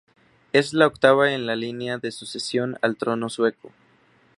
Es la octava en la línea de sucesión al trono sueco.